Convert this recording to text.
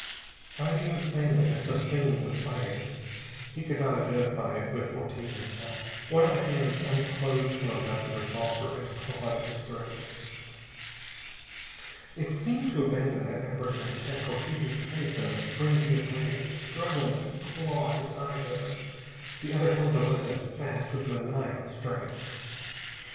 Fighting insanely as the Thing was fighting, he could not identify it with Ortiz himself. One of the hands unclosed from about the revolver and clawed at his throat. It seemed to abandon that effort and attacked Ortiz's face in a frenzy of rage, struggling to claw his eyes open. The other held the weapon fast with maniacal strength.